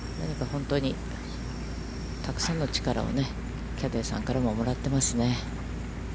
本当に、たくさんの力をキャディーさんからも、もらっていますね。